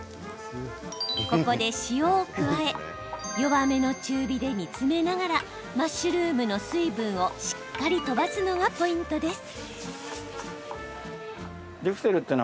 ここで塩を加え弱めの中火で煮詰めながらマッシュルームの水分をしっかり飛ばすのがポイントです。